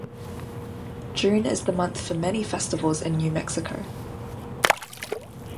June is the month for many festivals in New Mexico.